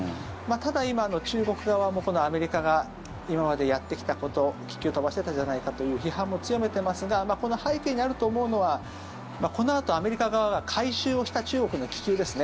ただ、今、中国側もアメリカが今までやってきたこと気球、飛ばしてたじゃないかという批判も強めてますがこの背景にあると思うのはこのあと、アメリカ側が回収した中国の気球ですね。